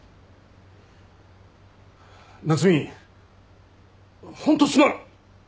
夏海ホントすまん！